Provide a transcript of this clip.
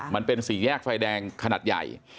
มันเป็นสี่แยกไฟแดงขนาดใหญ่